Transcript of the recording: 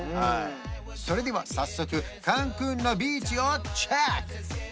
それでは早速カンクンのビーチをチェック